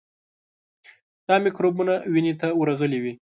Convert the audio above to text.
دا میکروبونه وینې ته ورغلي وي.